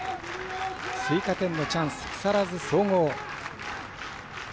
追加点のチャンス、木更津総合。